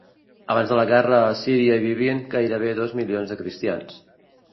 Abans de la guerra, a Síria hi vivien gairebé dos milions de cristians.